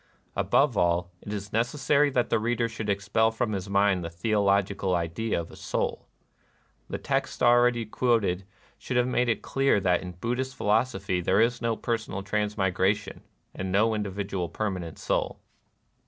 Above all, it is necessary that the reader should expel from his mind the theolo gical idea of Soul. The texts already quoted should have made it clear that in Buddhist philosophy there is no personal transmigra tion, and no individual permanent Soul.